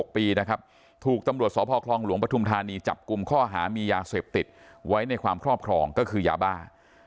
ถูกตำรวจสพคลองหลวงปฐุมธานีจับกลุ่มข้อหามียาเสพติดไว้ในความครอบครองก็คือยาบ้า